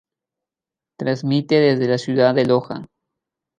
Transmite desde la ciudad de Loja.